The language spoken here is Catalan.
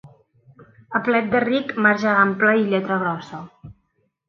A plet de ric, marge ample i lletra grossa.